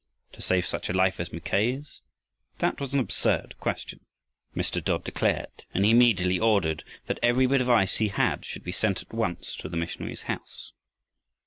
To save such a life as Mackay's! That was an absurd question, Mr. Dodd declared, and he immediately ordered that every bit of ice he had should be sent at once to the missionary's house.